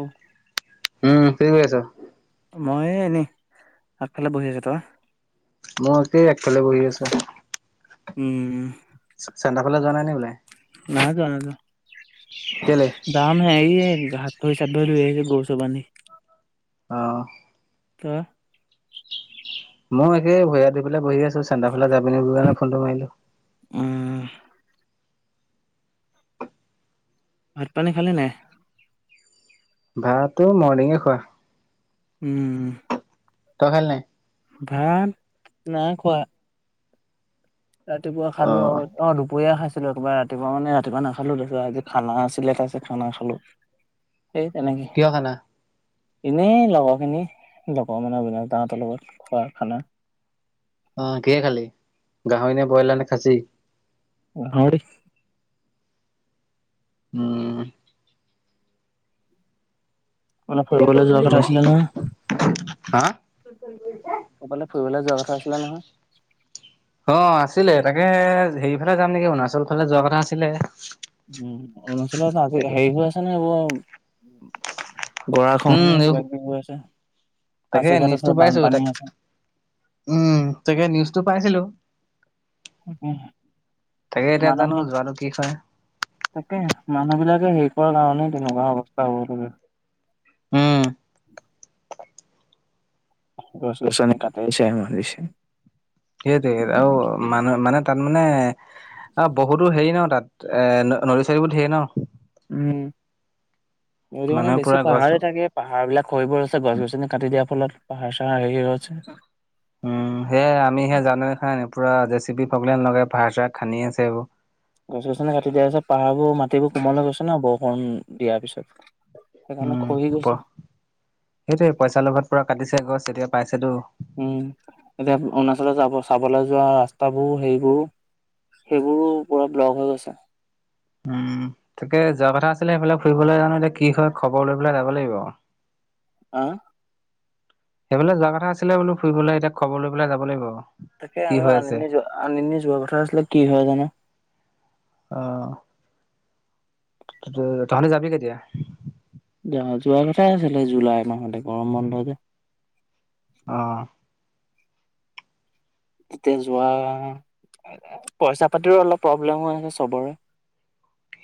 অ উম ফিক কৰি আছ মই এনেই আগফালে বহি আছো তই। মোৰ এতি একফালে বহি আছেো উম চেণ্ন্তাৰ ফালে যোৱা নাই নাই বোলে নহাজোৱাযোৱা কেলে? দাম হে হাত পইচাত ভ লে এই গৰুছয়জনি। আহ ত মই একেই ভৰিহাত ধুই পেলাই বহি আছো চেচণ্টাৰফালে যাবি নেকি কাৰণে ফোনটো মাৰিলো উম ভাত পানী খালি নে ভাতটো মৰ্ণিঙে খোৱা উম ত খাল নাই ভাত না খোৱা ৰাতিপুৱা খালো অ অ দুপৰীয়া খাইছো ৰাতিপুৱা মে ৰাতিপুৱা নাখালো তাৰপিছ আজি খানা আছিলে খানা খালো সেই তেনেকি কিহৰ খানা? এনেই লগৰখিনি লগৰ মানে বিন তাহতৰ লগত খোৱা খানা অ কিে খালি গাহৰি নে ব্ৰইলাৰ নে খাচি নৰি উম মানে ফুটবলে যোৱা কথা আছিলে ন হা? অফালে ফুৰিবলৈ যোৱা কথা আছিলে নহয় অ আছিলে তাকে হেৰি ফালে যাম নেকি অৰুণাচল ফালে যোৱা কথা আছিলে উম অৰুণচলত আজি তাকে হেৰি হৈ আছে ন এইবোৰ গৰা খহনে উম কিবা কিবি গৈ আছে তাকে পাছিঘাট আছে নিউজটো পাইছো বানপানী তাকে আছে উম তাকে নিউজটো পাইছিলো তাকে এতিয়া জানো মানহ যোৱাটো কি হয়। তাকে মানুহ বিিলাকে হেৰি কৰ কাৰণেই তেনেকুৱা অৱস্থা হ'ব লে উম গছ গছ কাটাইছেম দিিছে সেইটো সেই আৰু মানহ মানে তাত মানে অ বহুতো হেৰি ন তাত এ নদী চাৰী বোৰ ধেৰ ন উ য মানে মানুহে পুৰা বেছি গছ পাহাৰে থাকে পাহাৰ বিলাক হৈ বোৰ আছে গছ গছনি কাটি দিয়া ফলত পাহাৰ চাহা হৈ গ আছে উম সে আমি সে জানোে খান পুৰা িপি ফগলেনেকে ভা চা খান্ি আছে এইবোৰ গছ গছনি কাটি দিয়া আছ পাহাৰবোৰ মাটিবোৰ কোমল হৈ গৈছে ন বৰষুণ দিয়াৰ পিছত সেইকাৰণে উম খহি গৈছে প সেইটোয়ে পইচা লোভত পুৰা কাটিছে গছ এতিয়া পাইছেতো উম এতিয়া অৰুণাচলত যাব চাবলৈ যোৱা ৰাস্তাবোৰ হেইবোৰ সেইবোৰো পুৰা বল্গ হৈ গৈছে উম তাকে যোৱা কথা আছিলে সেইফালে ফুৰিবলৈ জানো এতিয়া কি হয় খবৰ লৈ পেলাই যাব লাগিব আহ সেইফালে যোৱা কথা আছিলে বোলো ফুৰিবলৈ এতিয়া খবৰ লৈ পেলাই যাব লাগিব তাকে কি আমি হৈ আন আছে আনিনি যোৱা কথা আছিলে কি হয় জানো আহ ত তহলে যাবি কেতিয়া য যোৱা কথাই আছিলে জুলাই মাহতে গৰম বন্ধ যে আহ তেতিয়া যোৱা পইচা পাতিৰো অলপ প্ৰব্লেম হৈ আছে চবৰে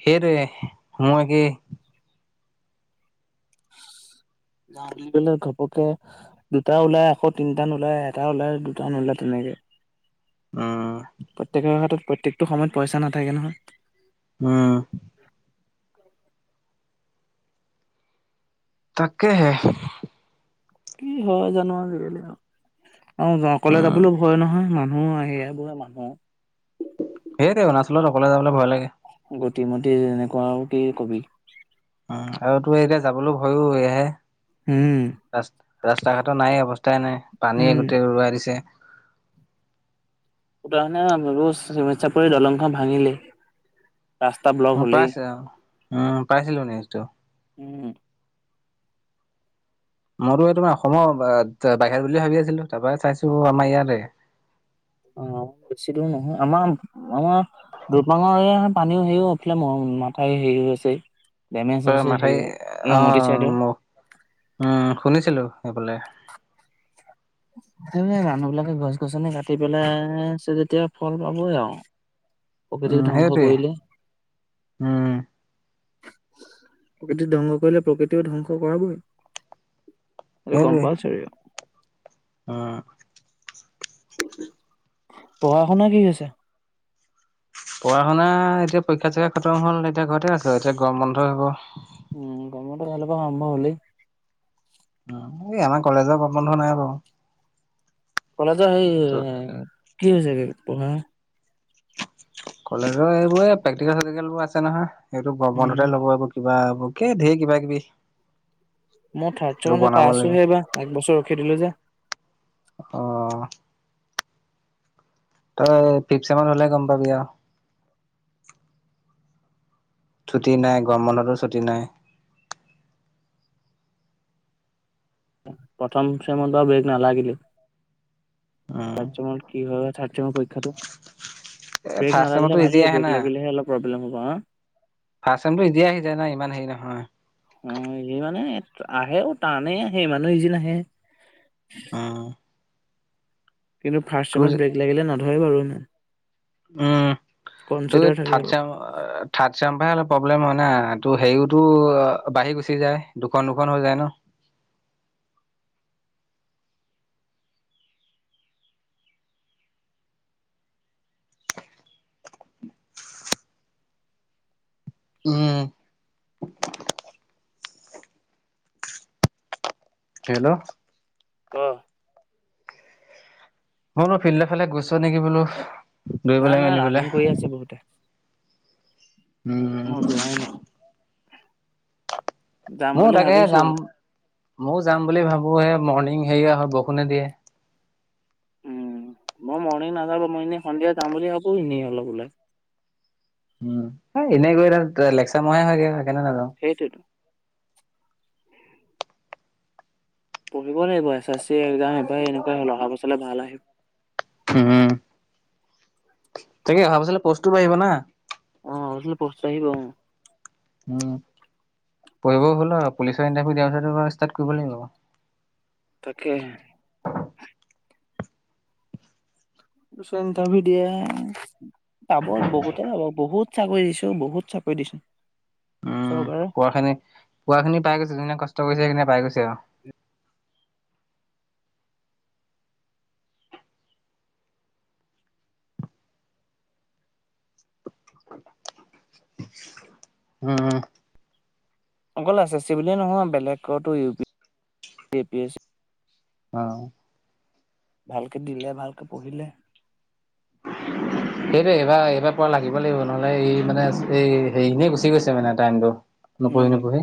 সেইৰে মই কি আিবেলাক ঘপকে দুটা ওলাই এশ তিনটান ওলাই এটা ওলাই দুটান ওলায় তেনেকে হে অ প্ৰত্যেকৰ হাতত প্ৰত্যেকটো সময়ত পইচা নাথাকে নহয় উম তাকেহে। কি হয় জানো আজিকালি অ, অকলে উম, যাবলৈ ভয় নহয় মানহ উম, সেয় বোৰে মানুহ সে তে অৰুণচলত অকলে যাবলৈ ভয় লাগে। গতিমতি এনেকুৱাও কি কবি? উ আৰু তো এতিয়া যাবলৈ ভয়ো এহে। উম। ৰাস্তা ঘাটৰ নায়েই অৱস্থাই নাই পানীয়ে উম গোটেই উৰুৱাই দিছে। খুঁটা মানে [unintelligible] চিমেন চাপৰিৰ দলংখন ভাঙিলে। উ পাইছে উম পাইছিলো নিউজটো। উম। মোৰো এই তোমাৰ অসমৰ বাহিৰৰ বুলি ভাবি আছিলো তাৰপৰা চাইছো আমাৰ ইয়াৰে। অ, বেছি দূৰ নহয় আমাৰ - আমাৰ দুবাঙৰ এ পানীও হেৰিও উফিলে মৰম মাথাই হেৰি হৈছে। ডেমেজ অ হৈছে মাথাই হেৰিয় অ ৰঙতি চাইডৰ ম উম শুনিছিলো। সেইবোলে সেই মানুহবিলাকে গছ গছনি কাটি পেলাইছে যেতিয়া ফল পাবই আৰু। প্ৰকৃতিক উম, ধ্বংস সেইটোৱে কৰিলে। উম, প্ৰকৃতিত ধ্বংস কৰিলে- প্ৰকৃতিও ধ্বংস কৰাবই। কম্পালচৰি আৰু। উহ। পঢ়া শুনা কি হৈছে? পঢ়া শুনা এতিয়া পৰীক্ষা চৰিক্ষা খতম হ'ল এতিয়া ঘৰতে আছো এতিয়া গৰম বন্ধই হব। উম গম বন্ধ কাইলে পৰা আৰম্ভ হলেই। অঁ সেই আমাৰ কলেজৰ পৰা বন্ধ নাই বাও। কলেজৰ সেই এ কি হৈছেগে পঢ়া? কলেজৰ এইবোৰে প্ৰেক্টিকেল চেক্টিকেল বোৰ আছে নহয়, এইটো উম বন্ধতে ল'ব পাৰিব কিবা অকে ধেই কিবা কিবি। মই থাৰ্ড এইবোৰ চেমলে বনাব লাগিব। পাইছোহে এইবাৰ, একবছৰ ৰখি দিলো যে। অ' তই ফিফ চেমত হলে গম পাবি আও। ছুটি নাই গৰম বন্ধতো ছুটি নাই। প্ৰথম চেমনটো ব্ৰেক নালাগিলি। উম, থাৰ্ড চেমত কি হয় বা থাৰ্ড চেমৰ পৰীক্ষাটো এ ব্ৰেক ফাৰ্ষ্ট চেমতো নালাগিলে ইজি ভালেই আহে ব্ৰেক লাগিলেহে অলপ প্ৰব্লেম হ'ব, হা? পাৰ্চনটো এদিয় আহি যায় নাই ইমান হেৰি অ নহয়। সি মানে আহেও টানেই আহে ইমানো ইজী নাহে। অহ। কিন্তু ফাৰ্ষ্ট টাইমত ব্ৰেক লাগিলে নধৰে বাৰু ইমান। অহ। তই এই কনচিডাৰ থাকে থাৰ্ড আৰু চেমত এ এ থাৰ্ড চেম পৰা হে অলপ প্ৰব্লেম হয় না, তোৰ হেৰিও টো বাঢ়ি গুচি যায় দুখন দুখন হৈ যায় ন। উম, হেল্ল। অহ। মই বোলো ফিল্ডৰ ফালে গৈছ নেকি বোলো নাই দৌৰিবলে নাই মেলিবলে? ৰানিং কৰি আছে বহুতে উম। মই যোৱাই নাই যাম মোৰ বুলি তাকে ভাবিছোহে যাম ময় যাম বুলি ভাবোহে। মৰ্ণিং হেৰিয়া হয় বৰষুণে দিয়ে। উম মই মৰ্ণিং নাযাওঁ বাৰু মই এনেই সন্ধিয়া যাম বুলি ভাবো এনেই অলপ ওলাই। উম এনেই গৈ তাত লেকচাৰ মৰাহে হয়গে সেইকাৰনে নাযাওঁ। সেইটোৱেতো পঢ়িব লাগিব, এছ এছ চি একজাম এইবাৰ এনেকুৱা হল, অহা বছৰলে ভাল আহিব। উম, তাকে অহা বছৰলে পষ্টটো বাঢ়িব না। [unintelligible] উম পঢ়িবও হ'ল আৰু পুলিচৰ ইণ্টাৰভিউ দিয়াৰ পিছত। তাত কৰিব লাগিব। তাকে পুলিচৰ ইণ্টাৰভিউ দিয়ে, পাব বহুতে পাব। বহুত চাকৰি দিছো বহুত চাকৰি দিছো। উম, চৰকাৰে। পোৱা খিনি পোৱা খিনি পাই গৈছে, যোনে কষ্ট কৰিছে উম, সেইখিনিয়ে পাই গৈছে আৰু। উম। অকল আছে, চিভিলিয় নহয় বেলেগতো U P P A C. আহ। ভালকে দিলে ভালকে পঢ়িলে। [inaudible] সেইটো এইবাৰ এইবাৰ পুৰা লাগিব লাগিব নহলে এই মানে এই হেৰি এনে গুচি গৈছে মানে টাইমটো। নপঢ়ি উম নপঢ়ি।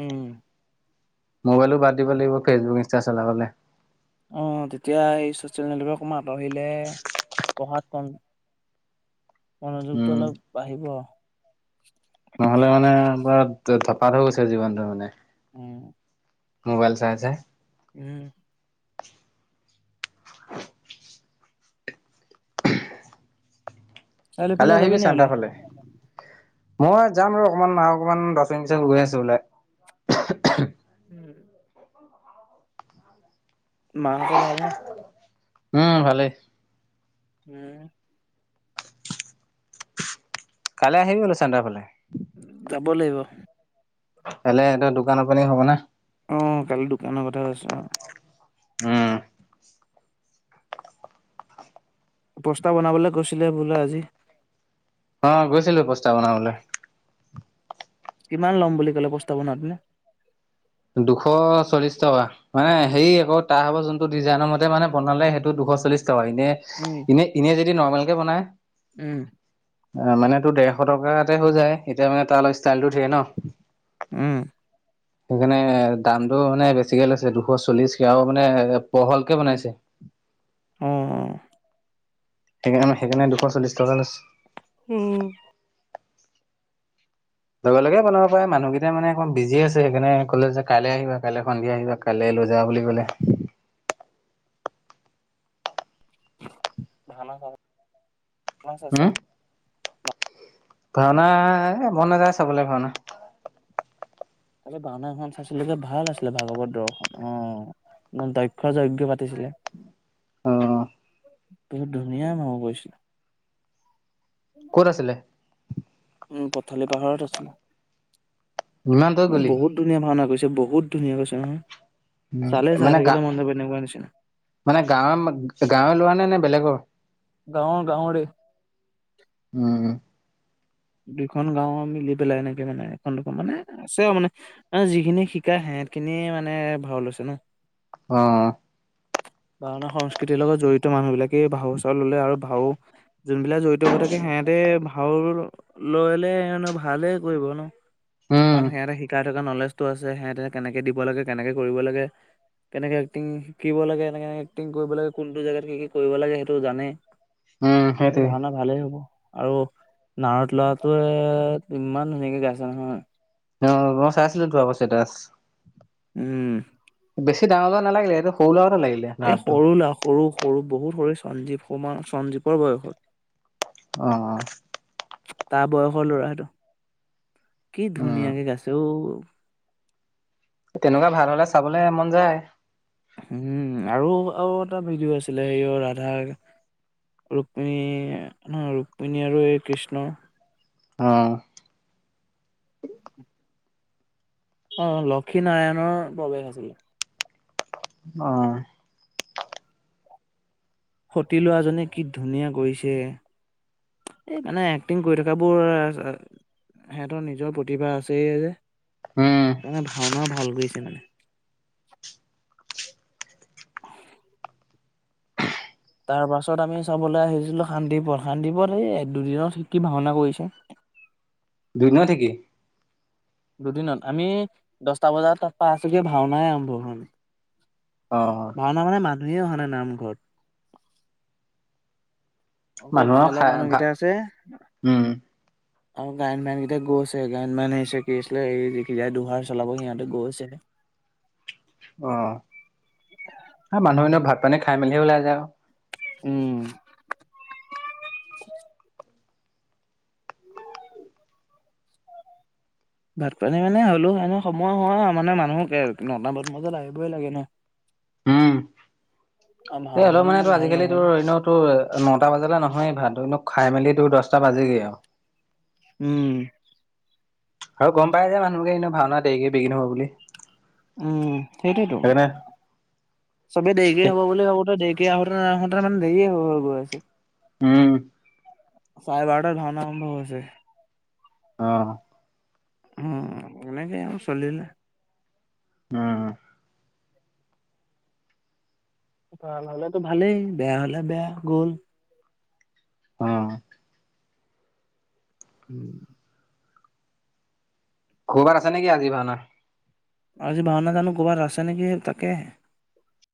উম। মোবাইলো বাদ দিব লাগিব। Facebook, Insta চলাবলে। অ' তেতিয়া এই চচিয়েল নেটৱৰ্ক আঁতৰিলে পঢ়াত মন মনোযোগটো উম অলপ বাঢ়িব। নহ'লে মানে ব ধপাত হৈ গৈছে জীৱনটো মানে। উম। মোবাইল চাই চাই। উম। [inaudible] [unintelligible] কাইলে চাৰিআলিফালে যাবি আহিবি নি চানটা ওলাই? ফালে। মই যাম ৰ! অকমান অকমান দহ মিনট পিছত ওলাই আছো। উম। মাহঁতৰ ভাল নে? উম, ভালেই। উম, কাইলে আহিবি বুলো চানডাৰফালে। যাব লাগিব। কাইলে ইহঁতৰ দোকানৰ পানে হব না? অহ, কালি দোকানৰ কথা কৈছো। উম, পোষ্টাৰ বনাবলে কৈছিলে বোলো আজি। অ গৈছিলো প্ৰস্তা বনাবলৈ। কিমান ল'ম বুলি ক'লে প্ৰস্তাব তেনে। দুশ চল্লিছ টকা মানে হেৰি আকৌ তাহ হ'ব যোনটো ডিজাইনৰ মতে মানে বনালে সেইটো দুশ চল্লিছ [unintelligible] এনে উম - ইনে-ইনে যদি নৰ্মেল কে বনায় উম অ, মানে তোৰ ডেৰশ টকাতে হৈ যায় এতিয়া মানে তাৰ অলপ ষ্টাইলটো ধেৰ ন? উম, সেইকাৰণে দামটো মানে বেছিকে লাগৈছে দুশ চল্লিশ ক আৰু মানে পহলকে বনাইছে। [inaudible] অ', অ', সেইকাৰণে-সেইকাৰণে দুশ চল্লিছ টকা লৈছে। উম। লগে লগে বনাব প মানুহকেইটা মানে অকমান বিজি আছে। সেইকাৰে কলে যে কাইলৈ আহিবা কাইলৈ সন্ধিয়া আহিবা কাইলৈ। লৈ যা বুলি ক'লে। উম [unintelligible] ভাওনা মন নাযায় চাবলৈ ভাওনা কালি বওনা এখন চাইছিলকে ভাল আছিলে ভাগৱত দৰ্শন আহ দক্ষ যজ্ঞ পাতিছিলে আহ বহুত ধুনীয়া মহ কৰিছিলো ক'ত আছিলে? উম, পথালি পাহাৰৰত আছিল ইমান দূৰত এ গলি বহুত ধুনীয়া ভাওনা কৰিছিল বহুত ধুনীয়া কৈছে নয় উম, মানে গা নিচিনা। মানে গাঁৱৰ গাঁৱে লোৰা নে- নে বেলেগৰ? গাঁৱৰ গাঁৱৰে উম। দুইখন গাঁওৰ মিলি পেলাই এনেকে মানে এখন দুখ মানে আছে আৰু মানে যিখিনি শিকা আহে [unintelligible] কিনিয়ে মানে ভাওল হৈছে ন? অ', ভাওনাৰ সংস্কৃতিৰ লগত জড়িত মানুহ বিলাকে ভাওচাও ললে আৰু ভাও এইবিলাক জড়িত ক থাকে সিহঁতে ভাও লৈলে ভালে কৰিব ন উম কাৰণ সিহঁতে শিকাই থকা নলেজটো আছে সিহঁতে কেনেকে দিব লাগে কেনেকে কৰিব লাগে কেনেকে এক্টিং শিকিব লাগে এনেকক এক্টিং কৰিব লাগে কোনটো জোগাত কি, কি কৰিব লাগে সেইটো জানে উম এই সেইটোৱে। ভাওনা ভালেই হ'ব আৰু নাৰ ল'ৰাটোৱে ইমান ধুনীয়াকে গাই আছে নহয় অ', মই চাইছিলো তো আপ চেটাচ্ উম। বেছি ডাঙৰ নাগিল এইটো সৰু ৰলগত এ সৰু ল'ৰা সৰু - সৰু বহুত সৰু সঞ্জীৱ [unintelligible] সঞ্জীৱৰ বয়সৰ। অ', অ', তাৰ বয়সৰ লৰাটো কি উম, ধুনীয়াকে গাইছে অঔ তেনেকুৱা ভাল হলে চাবলে মন যায় উম, আৰু আৰু এটা ভিডিঅ' আছিলে হেৰি ৰাধাৰ ৰুক্মিণী ৰুক্মিণী আৰু এই কৃষ্ণ আহ অ', লক্ষী নাৰায়ণৰ প্ৰৱেশ আছিলে আহ। সতি লোৱাজনে কি ধুনীয়া কৰিছে এই মানে এক্টিং কৰি থকাবোৰ সিহঁতৰ নিজৰ প্ৰতিভা আছে যে উম, মানে ভাওনাও ভাল গৈছে মানে। তাৰ পাছত আমি চাবলৈ আহিছিলো শান্তিপথ, শান্তিপথ এই দুদিনত শিকি ভাওনা কৰিছে দুই ন থ কি [unintelligible] দুদিনত আমি দছটা বজাত ত পৰা আছোগে ভাওনাই আৰম্ভহোৱা নাই অ', ভাওনা মানে, মানুহেই অহা নাই নামঘৰত। অকল মানুহৰ খেলৰ খাই ভা মানুহকেইটা আছে আৰু উম, গায়ন বাইনকেইটা গৈছে গায়ন বাইন কি আছিলে এই দ দুহাৰ চলাব সিহঁতে গৈছে [inaudible] অ', মানুহখনৰ ভাত পানী খাই মেলি ওলাই যায় আৰু উম, ভাত-পানী মানে, হ'লেও সময় হয় আৰু মানে, মানুহ নটা মান বজাত আহিবই লাগে ন'। উম, আৰু এ অলপ ভাওনাখনো ইমান মানেটো ভাল আজিকালি তোৰ নহ'লে। এনে তো নটা বাজালে নহয় ভাতোক খাই মেলি তোৰ দহটা বাজগে আৰু উম, আৰু গম পাই যে মানুহোকে কিনে ভাওনা দেৰিকে বিগিন হব বুলি উম, সেইটোতো সেইকাৰণে চবে দেৰিকে হ'ব বুলি ভাবোতো দে কে আহোঁতে - নাহোঁতে মান দেৰিয়ে হৈ- হৈ গৈ আছে। উম, চাৰে বাৰটাত ভাওনা আৰম্ভ হৈছে। অ', হ, এনেকে আউ চলিলে। উম- উম। ভাল হলেতো ভালেই বেয়া হলে বেয়া গ'ল। অ', উম, ক'ৰবাত আছে নেকি আজি ভাওনা? আজি ভাওনা জানো ক'ৰবাত আছে নেকি তাকেহে।